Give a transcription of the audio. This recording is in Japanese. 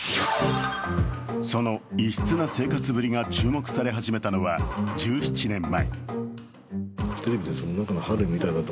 その異質な生活ぶりが注目され始めたのは１７年前。